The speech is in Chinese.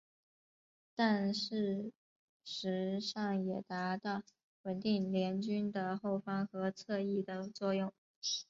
但事实上也达到稳定联军的后方和侧翼的作用。